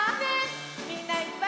みんないっぱい。